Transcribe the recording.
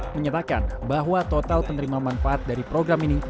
menyatakan bahwa total penerima manfaat dari program ini